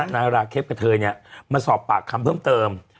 ราเคฟกับเทยมาสอบปากคำเพิ่มเติม